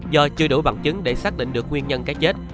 do chưa đủ bằng chứng để xác định được nguyên nhân cái chết